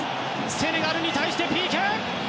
セネガルに対してＰＫ！